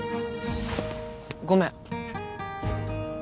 ごめん